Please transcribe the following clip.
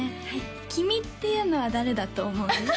「君」っていうのは誰だと思う？